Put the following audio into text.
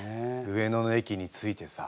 上野の駅に着いてさ。